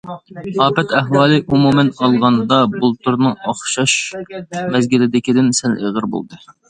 ئاپەت ئەھۋالى ئومۇمەن ئالغاندا بۇلتۇرنىڭ ئوخشاش مەزگىلدىكىدىن سەل ئېغىر بولدى.